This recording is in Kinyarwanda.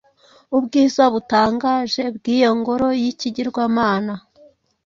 Ubwiza butangaje bw’iyo ngoro yikigirwamana,